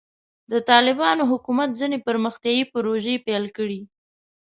د طالبانو حکومت ځینې پرمختیایي پروژې پیل کړې.